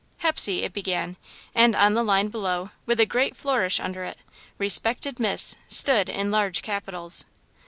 "Hepsey," it began, and, on the line below, with a great flourish under it, "Respected Miss" stood, in large capitals.